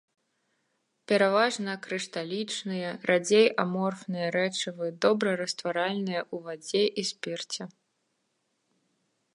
Пераважна крышталічныя, радзей аморфныя рэчывы, добра растваральныя ў вадзе і спірце.